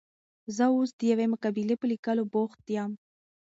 زه اوس د یوې مقالې په لیکلو بوخت یم.